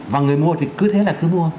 và người mua thì cứ thế là cứ mua